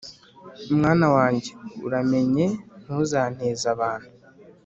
mwana wanjye uramenye ntuzanteze abantu